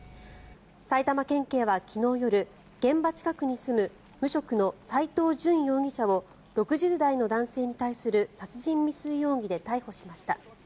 埼玉県警は昨日夜現場近くに住む無職の斎藤淳容疑者を６０代の男性に対する殺人未遂容疑で逮捕しました。